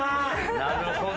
なるほど。